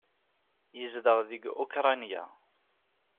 Yezdeɣ deg Ukṛanya.